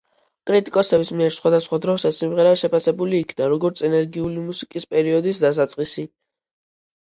კრიტიკოსების მიერ სხვადასხვა დროს ეს სიმღერა შეფასებული იქნა, როგორც ენერგიული მუსიკის პერიოდის დასაწყისი.